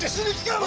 お前！